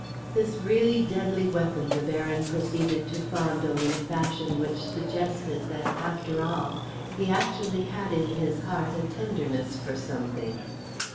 This really deadly weapon the Baron proceeded to fondle in a fashion which suggested that, after all, he actually had in his heart a tenderness for something.